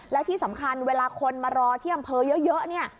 และที่สำคัญเวลาคนมารอที่อำเภอเยอะเนี่ย